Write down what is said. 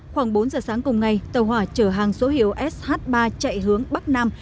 khoảng bốn giờ sáng cùng ngày tàu hỏa chở hàng số hiệu sh ba chạy hướng bắc nam